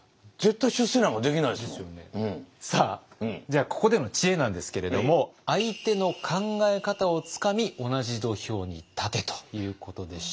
じゃあここでの知恵なんですけれども「相手の考え方をつかみ同じ土俵に立て」ということでした。